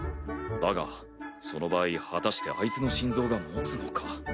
だがその場合果たしてあいつの心臓がもつのか。